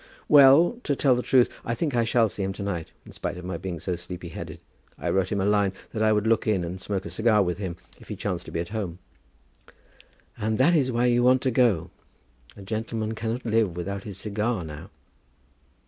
"Well, to tell the truth, I think I shall see him to night, in spite of my being so sleepy headed. I wrote him a line that I would look in and smoke a cigar with him if he chanced to be at home!" "And that is why you want to go. A gentleman cannot live without his cigar now."